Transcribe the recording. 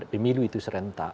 pemilu itu serentak